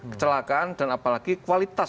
kecelakaan dan apalagi kualitas